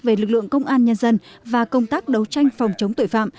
về lực lượng công an nhân dân và công tác đấu tranh phòng chống tội phạm